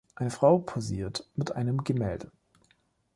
Eine Frau posiert mit einem Gemälde.